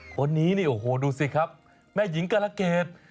คนนี้นี่โอ้โหดูสิครับแม่หญิงกรเกต